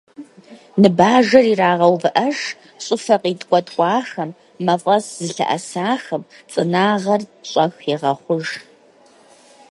Ныбажэр ирырагъэувыӏэж, щӏыфэ къиткӏэткӏуахэм, мафӏэс зылъэӏэсахэм цӏынагъэр щӏэх егъэхъуж.